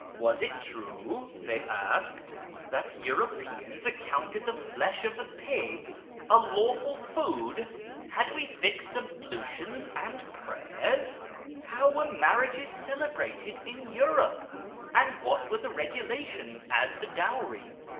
"Was it true," they asked, "that Europeans accounted the flesh of the pig a lawful food ?"" Had we fixed ablutions and prayers ?"" How were mar J FROM SHIRAz to YEZD 359 riages celebrated in Europe, and what were the regulations as to dowry